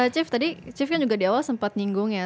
cip tadi cip kan juga di awal sempat nyinggung ya